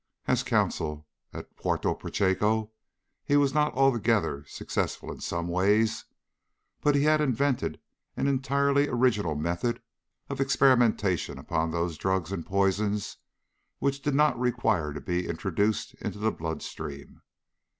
As consul at Puerto Pachecho he was not altogether a success in some ways, but he had invented an entirely original method of experimentation upon those drugs and poisons which did not require to be introduced into the blood stream.